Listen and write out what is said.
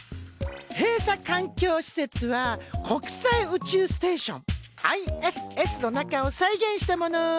閉鎖環境施設は国際宇宙ステーションＩＳＳの中を再現したもの。